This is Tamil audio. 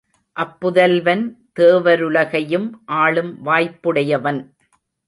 அப்புதல்வன் தேவருலகையும் ஆளும் வாய்ப்புடையவன்.